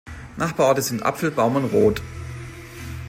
Nachbarorte sind Apfelbaum und Rodt.